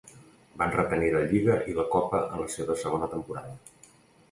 Van retenir la Lliga i la Copa en la seva segona temporada.